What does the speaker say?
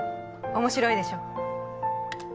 面白いでしょ？